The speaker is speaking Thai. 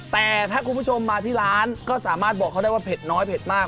แต่ถ้าคุณผู้ชมมาที่ร้านก็สามารถบอกเขาได้ว่าเผ็ดน้อยเผ็ดมาก